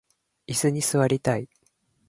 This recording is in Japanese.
いすに座りたい